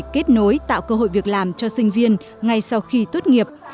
các đối tác nước ngoài nhằm tạo cơ hội việc làm cho sinh viên ngay sau khi tốt nghiệp